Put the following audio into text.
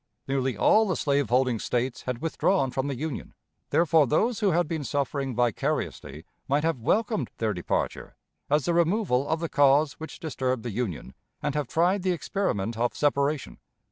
Nearly all the slaveholding States had withdrawn from the Union, therefore those who had been suffering vicariously might have welcomed their departure, as the removal of the cause which disturbed the Union, and have tried the experiment of separation.